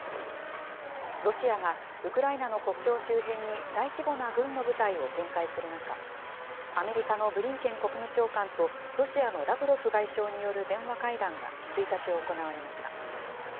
ロシアがウクライナの国境周辺に大規模な軍の部隊を展開する中、アメリカのブリンケン国務長官と、ロシアのラブロフ外相による電話会談が１日、行われました。